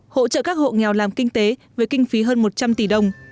hỗ trợ các hộ nghèo làm kinh tế với kinh phí hơn một trăm linh tỷ đồng